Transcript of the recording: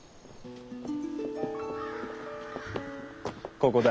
ここだ。